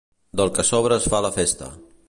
Del que sobra es fa la festa.